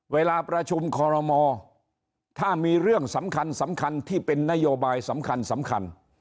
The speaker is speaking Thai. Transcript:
เวลาประชุมคอรมอถ้ามีเรื่องสำคัญสำคัญที่เป็นนโยบายสำคัญสำคัญ